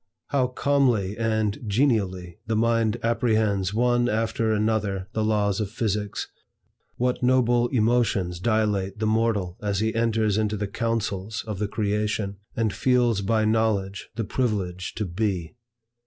How calmly and genially the mind apprehends one after another the laws of physics! What noble emotions dilate the mortal as he enters into the counsels of the creation, and feels by knowledge the privilege to BE!